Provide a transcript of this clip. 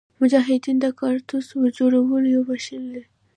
مجاهدین د کارتوس جوړولو یو ماشین لري.